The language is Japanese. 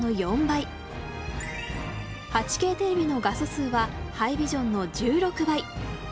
８Ｋテレビの画素数はハイビジョンの１６倍！